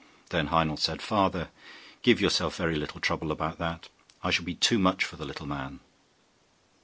Then Heinel said, 'Father, give yourself very little trouble about that; I shall be too much for the little man.